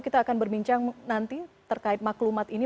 kita akan berbincang nanti terkait maklumat ini